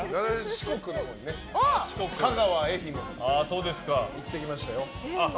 四国の香川、愛媛に行ってきましたよ。